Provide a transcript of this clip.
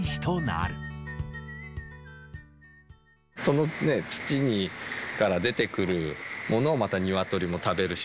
そのね、土から出てくるものをまた鶏も食べるし、